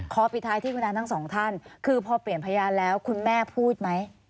ปิดท้ายที่คุณอาทั้งสองท่านคือพอเปลี่ยนพยานแล้วคุณแม่พูดไหม